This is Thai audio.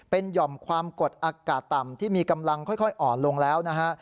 เป็นหย่อมความกดอากาศต่ำที่มีกำลังค่อยอ่อนลงแล้วนะฮะ